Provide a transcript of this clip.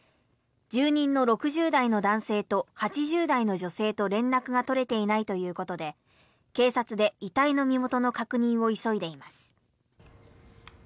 住人の６０代の男性と８０代の女性と連絡が取れていないということで警察で遺体の身元の確認を急いでいます。